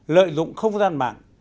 lợi dụng không gian mạng